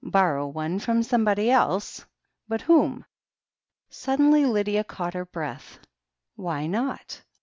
Borrow one from somebody else ? But whom ? Suddenly Lydia caught her breath. Why not